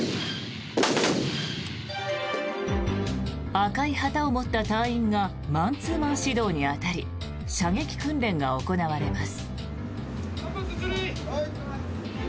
赤い旗を持った隊員がマンツーマン指導に当たり射撃訓練が行われます。